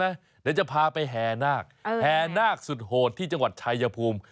เดี๋ยวจะพาไปแห่นาคแห่นาคสุดโหดที่จังหวัดชายภูมิ